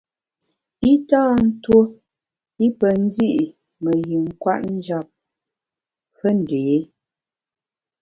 I tâ tuo i pe ndi’ me yin kwet njap fe ndé.